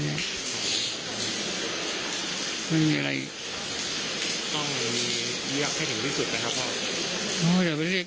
ยังไม่รู้ว่ามีอะไรอีก